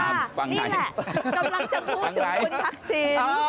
นี่แหละกำลังจะพูดถึงคุณทักษิณ